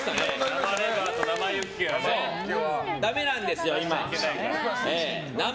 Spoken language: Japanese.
生レバーと生ユッケはダメなんですよ、今。